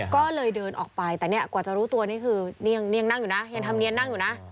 ก็เลยเดินออกไปแต่เนี่ยกว่าจะรู้ตัวเนี่ยคือเนี่ยยังนั่งอยู่นะ